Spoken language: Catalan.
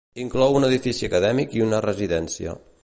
Inclou un edifici acadèmic i una residència.